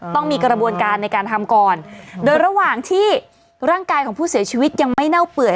ต้องมีกระบวนการในการทำก่อนโดยระหว่างที่ร่างกายของผู้เสียชีวิตยังไม่เน่าเปื่อย